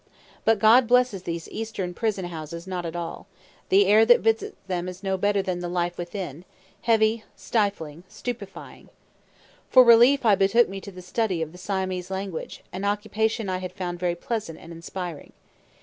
But God blesses these Eastern prison houses not at all; the air that visits them is no better than the life within, heavy, stifling, stupefying. For relief I betook me to the study of the Siamese language, an occupation I had found very pleasant and inspiring.